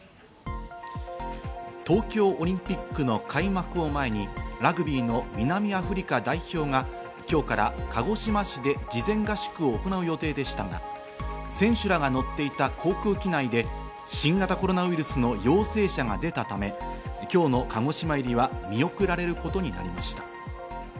東京オリンピックの開幕を前に、ラグビーの南アフリカ代表が今日から鹿児島市で事前合宿を行う予定でしたが、選手らが乗っていた航空機内で新型コロナウイルスの陽性者が出たため、今日の鹿児島入りは見送られることになりました。